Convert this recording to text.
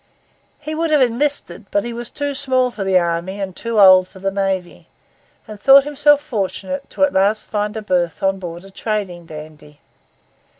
He would have enlisted, but he was too small for the army and too old for the navy; and thought himself fortunate at last to find a berth on board a trading dandy.